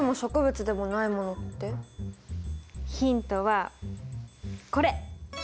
ヒントはこれ。